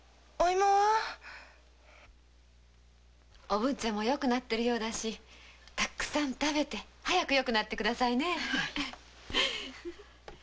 おぶんちゃんもよくなってるようだしたくさん食べて早くよくなって下さいね。